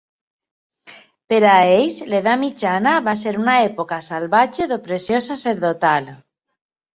Per a ells, l'Edat Mitjana va ser una època salvatge d'opressió sacerdotal.